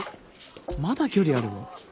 まだ距離あるの？